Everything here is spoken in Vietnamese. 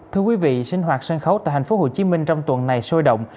thưa quý vị sinh hoạt sân khấu tại thành phố hồ chí minh trong tuần này sôi động